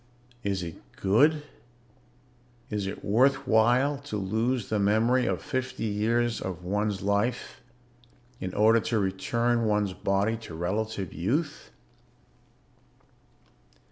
"Is it good? Is it worth while to lose the memory of fifty years of one's life in order to return one's body to relative youth?